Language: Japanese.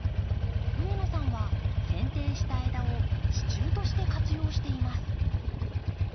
上野さんはせん定した枝を支柱として活用しています。